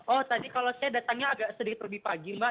oh tadi kalau saya datangnya agak sedikit lebih pagi mbak